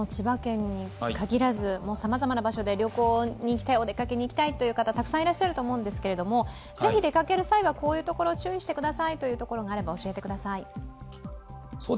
旅行に行きたい、お出かけに行きたいという方、たくさんいらっしゃると思うんですけれども、ぜひ出かける際はこういうところを注意してくださいということがあれば教えてください。